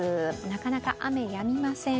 なかなか雨、やみません。